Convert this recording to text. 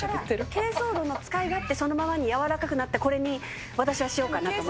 珪藻土の使い勝手そのままに柔らかくなって、私はしようかなと思います。